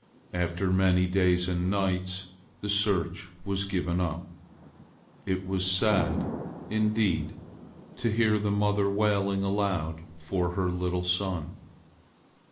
After many days and nights the search was given up. It was sad, indeed, to hear the mother wailing aloud for her little son.